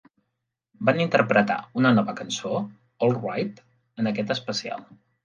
Van interpretar una nova cançó, "Alright", en aquest especial.